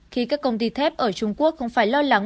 khi các công ty thép ở trung quốc không phải lo lắng